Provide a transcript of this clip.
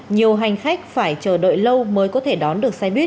nhiều hành khách phải chờ đợi lâu mới có thể đạt được công nghiệp